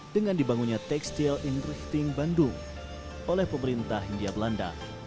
dengan dibangunnya tekstil in drifting bandung oleh pemerintah hindia belanda